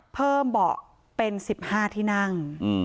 เพิ่มเบาะเป็น๑๕ที่นั่ง